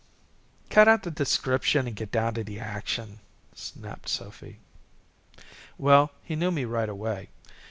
"Cut out the description and get down to action," snapped Sophy. "Well, he knew me right away.